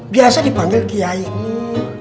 biasa dipanggil kiai nur